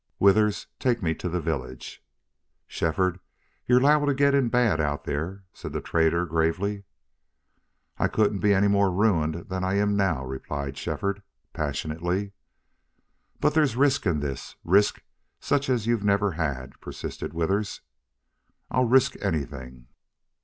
"Withers, take me to the village." "Shefford, you're liable to get in bad out here," said the trader, gravely. "I couldn't be any more ruined than I am now," replied Shefford, passionately. "But there's risk in this risk such as you never had," persisted Withers. "I'll risk anything."